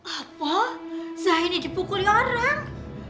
apa zaini dibukulin orang